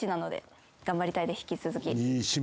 引き続き。